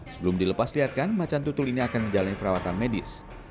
sebelum dilepasliarkan macan tutul ini akan menjalani perawatan medis